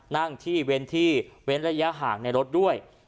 นั่งที่เว้นที่เว้นระยะห่างในรถด้วย